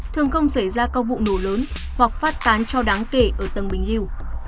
thường không xảy ra các vụ nổ lớn hoặc phát tán cho đáng kể ở tầng bình liêu